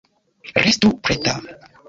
Restu preta.